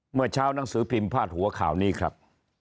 เมื่อเช้านังสือพิมพ์พาดหัวข่าวนี้ครับ